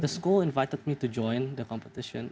sekolah mengajak saya untuk ikut kompetisi ini